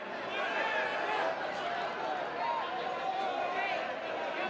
bapak bapak ibu ibu harap tenang